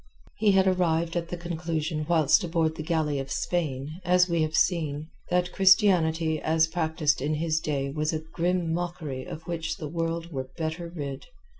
He had arrived at the conclusion whilst aboard the galley of Spain, as we have seen, that Christianity as practised in his day was a grim mockery of which the world were better rid.